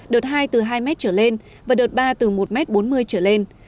đợt hai từ hai m trở lên và đợt ba từ một m bốn mươi trở lên